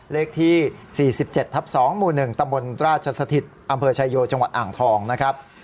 เลขที่๔๗ทับ๒หมู่๑ตำบลราชสถิตอำเภอชายโยจังหวัดอ่างทองนะครับ